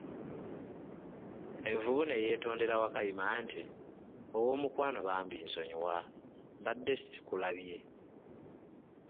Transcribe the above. Envubu ne yetondera Wakayima nti, ow'omukwano bambi nsonyiwa, mbadde sikulabye.